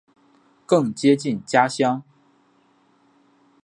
更接近家乡